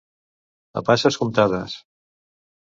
A passes comptades.